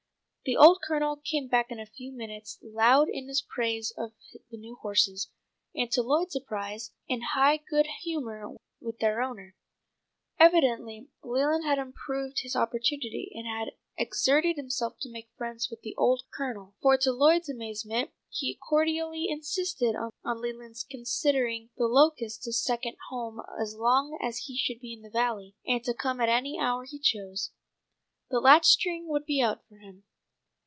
The old Colonel came back in a few minutes loud in his praise of the new horses, and to Lloyd's surprise, in high good humour with their owner. Evidently Leland had improved his opportunity and had exerted himself to make friends with the old Colonel, for to Lloyd's amazement he cordially insisted on Leland's considering The Locusts a second home as long as he should be in the Valley, and to come at any hour he chose. The latch string would be out for him.